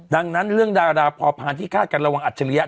ดังนั้นเรื่องดาราพอพานที่คาดกันระวังอัจฉริยะ